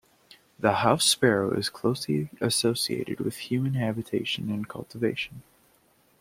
The house sparrow is closely associated with human habitation and cultivation.